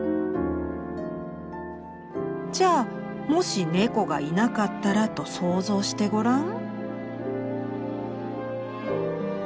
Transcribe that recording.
「じゃあもし猫がいなかったらと想像してごらん」。